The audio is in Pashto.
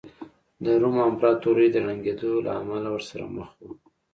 د روم امپراتورۍ د ړنګېدو له امله ورسره مخ وه